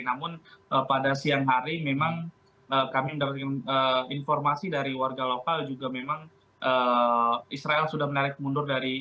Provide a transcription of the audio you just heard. namun pada siang hari memang kami mendapat informasi dari warga lokal juga memang israel sudah menarik mundur dari